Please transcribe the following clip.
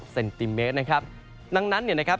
๔๐เซนติเมตรนะครับ